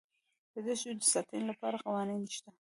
د دښتو د ساتنې لپاره قوانین شته.